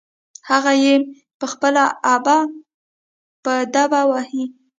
هغه يې په خپله ابه په دبه وهي.